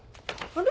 あれ？